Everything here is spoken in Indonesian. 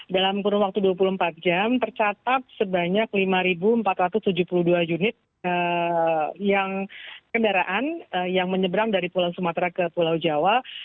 dalam kurun waktu dua puluh empat jam tercatat sebanyak lima empat ratus tujuh puluh dua unit kendaraan yang menyeberang dari pulau sumatera ke pulau jawa